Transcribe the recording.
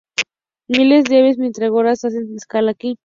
Miles de aves migratorias hacen escala aquí.